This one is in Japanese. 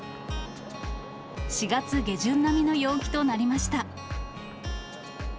４月下旬並みの陽気となりました。